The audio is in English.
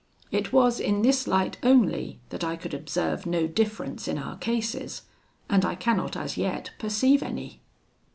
It was in this light, only, that I could observe no difference in our cases, and I cannot as yet perceive any.